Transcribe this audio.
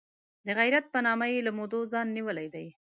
د غیرت په نامه یې له مودو ځان نیولی دی.